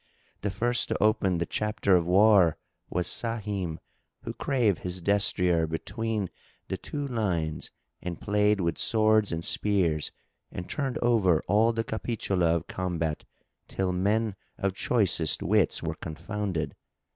The first to open the chapter[FN#6] of war was Sahim, who drave his destrier between the two lines and played with swords and spears and turned over all the Capitula of combat till men of choicest wits were confounded.